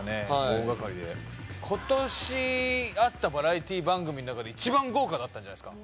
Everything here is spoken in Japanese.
大がかりで今年あったバラエティ番組の中で１番豪華だったんじゃないですか